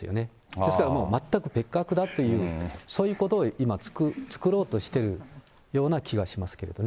ですからもう全く別格だという、そういうことを今、作ろうとしているような気がしますけどね。